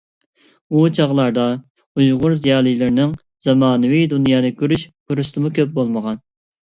ئۇ چاغلاردا ئۇيغۇر زىيالىيلىرىنىڭ زامانىۋى دۇنيانى كۆرۈش پۇرسىتىمۇ كۆپ بولمىغان.